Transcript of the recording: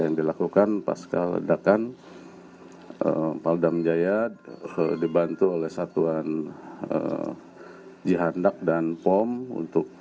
yang dilakukan pasca ledakan paldam jaya dibantu oleh satuan jihandak dan pom untuk